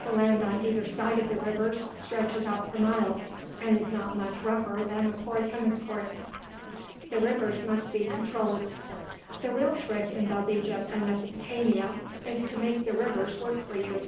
The land on either side of the rivers stretches out for miles and is not much rougher than a poor tennis court. THE RIVERS MUST BE CONTROLLED The real trick in both Egypt and Mesopotamia is to make the rivers work for you.